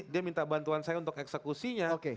dia minta bantuan saya untuk eksekusinya